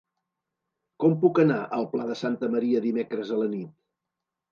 Com puc anar al Pla de Santa Maria dimecres a la nit?